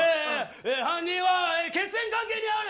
犯人は血縁関係にある。